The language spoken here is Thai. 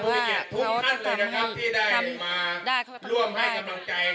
ว่าเขาทำให้ทำได้เขาทำให้ทำได้